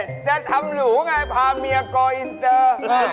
จะทำหนูไงพาเมียกออินเตอร์